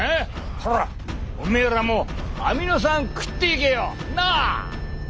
ほらおめえらもアミノ酸食っていけよなあ！